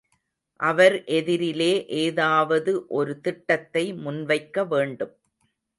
அவர் எதிரிலே ஏதாவது ஒரு திட்டத்தை முன்வைக்க வேண்டும்.